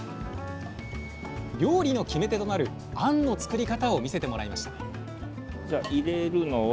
料理の決め手となる「あん」の作り方を見せてもらいました